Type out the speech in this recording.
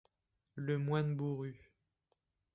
Le moine-bourru